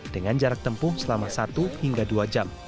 dengan jarak tempuh selama satu hingga dua jam